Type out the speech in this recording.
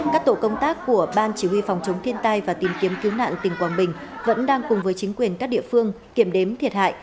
các tổ công tác của ban chỉ huy phòng chống thiên tai và tìm kiếm cứu nạn tỉnh quảng bình vẫn đang cùng với chính quyền các địa phương kiểm đếm thiệt hại